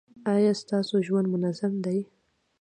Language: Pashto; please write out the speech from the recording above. ایا ستاسو ژوند منظم دی؟